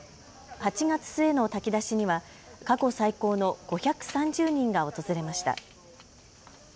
８月末の炊き出しには過去最高の５３０人が訪れました。